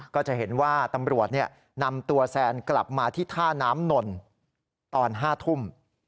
ก็จะเห็นว่าตำรวจนำตัวแซนกลับมาที่ท่าน้ำนนตอน๕ทุ่ม